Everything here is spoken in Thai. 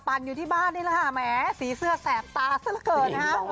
อยู่ที่บ้านนี่แหละค่ะแหมสีเสื้อแสบตาซะละเกินนะฮะ